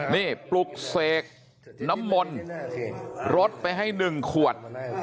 นี่ปลุกเสกน้ำมนต์รดไปให้๑ขวด